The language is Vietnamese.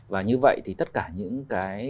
và như vậy thì tất cả những cái